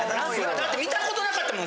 だって見たことなかったもん。